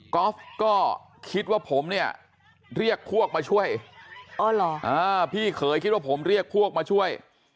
อล์ฟก็คิดว่าผมเนี่ยเรียกพวกมาช่วยพี่เขยคิดว่าผมเรียกพวกมาช่วย